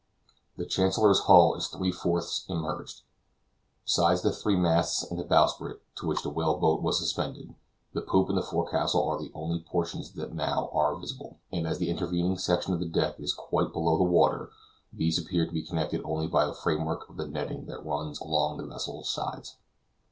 The Chancellor's hull is three fourths immerged; besides the three masts and the bowsprit, to which the whale boat was suspended, the poop and the forecastle are the only portions that now are visible; and as the intervening section of the deck is quite below the water, these appear to be connected only by the framework of the netting that runs along the vessel's sides.